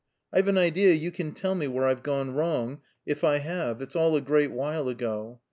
I've an idea you can tell me where I've gone wrong, if I have; it's all a great while ago.